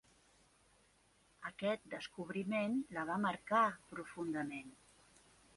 Aquest descobriment la va marcar profundament.